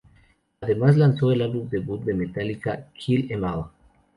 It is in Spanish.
Además lanzó el álbum debut de Metallica, "Kill 'Em All".